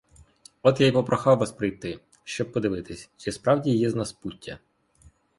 От я й попрохав вас прийти, щоб подивились, чи справді є з нас пуття.